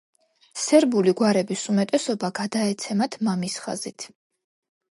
სერბული გვარების უმეტესობა გადაეცემათ მამის ხაზით.